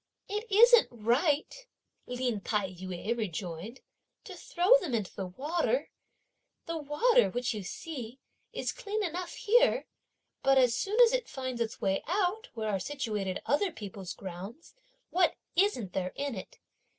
"It isn't right," Lin Tai yü rejoined, "to throw them into the water. The water, which you see, is clean enough here, but as soon as it finds its way out, where are situated other people's grounds, what isn't there in it?